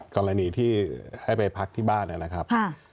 กรณีที่ให้ไปพักที่บ้านนะครับ